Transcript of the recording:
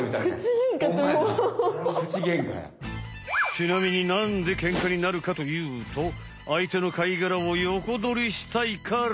ちなみになんでケンカになるかというとあいての貝がらをヨコドリしたいから。